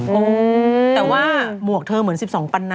งงแต่ว่าหมวกเธอเหมือน๑๒ปันนา